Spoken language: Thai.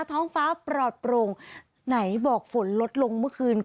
ท้องฟ้าปลอดโปร่งไหนบอกฝนลดลงเมื่อคืน